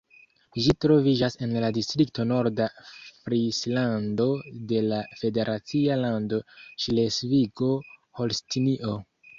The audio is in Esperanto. Ĝi troviĝas en la distrikto Norda Frislando de la federacia lando Ŝlesvigo-Holstinio.